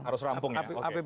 harus rampung ya